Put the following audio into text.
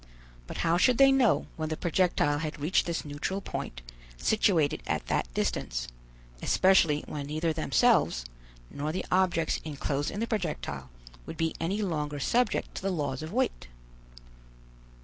But how should they know when the projectile had reached this neutral point situated at that distance, especially when neither themselves, nor the objects enclosed in the projectile, would be any longer subject to the laws of weight?